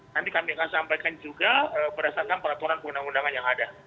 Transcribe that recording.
nanti kami akan sampaikan juga berdasarkan peraturan undang undangan yang ada